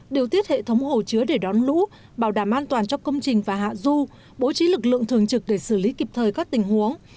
điều tiết hệ thống hồ chứa để đón lũ bảo đảm an toàn cho công trình và hạ du bố trí lực lượng thường trực để xử lý kịp thời các tình huống